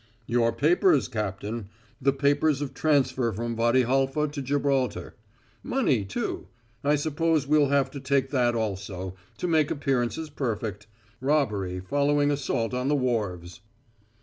"Your papers, Captain the papers of transfer from Wady Halfa to Gibraltar. Money, too. I suppose we'll have to take that, also, to make appearances perfect robbery following assault on the wharves."